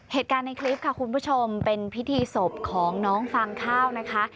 เหตุการณ์ในคลิปค่ะคุณผู้ชมเป็นพิธีศพของน้องฟางข้าวนะคะ